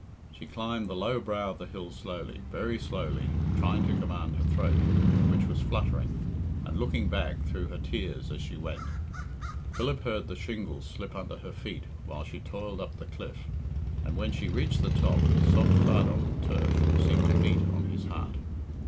She climbed the low brow of the hill slowly, very slowly, trying to command her throat, which was fluttering, and looking back through her tears as she went. Philip heard the shingle slip under her feet while she toiled up the cliff, and when she reached the top the soft thud on the turf seemed to beat on his heart.